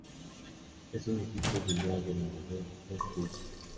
Es un equipo filial de New York Red Bulls.